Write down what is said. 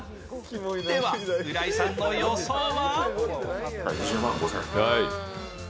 では浦井さんの予想は？